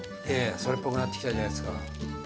ええそれっぽくなってきたじゃないですか。